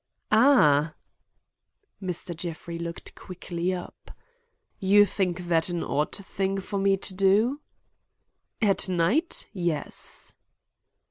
"Ah!" Mr. Jeffrey looked quickly up. "You think that an odd thing for me to do?" "At night. Yes."